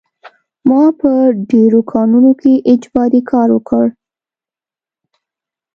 ما په ډېرو کانونو کې اجباري کار وکړ